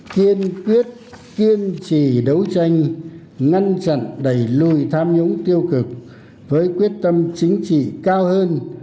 kiên quyết kiên trì đấu tranh ngăn chặn đẩy lùi tham nhũng tiêu cực với quyết tâm chính trị cao hơn